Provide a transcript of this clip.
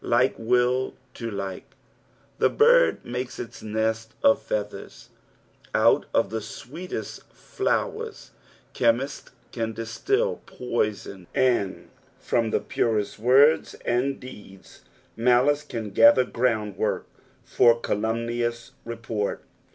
Like will to like. The bird makes its nest of feathers. Out of the sweetest flowers chemists can distil poison, and from the purest Words and dee<ts malice can gather groundwork for calumnious report.